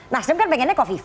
nasdem kan pengennya ko viva